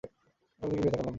কোন দিকে ফিরে তাকালাম না।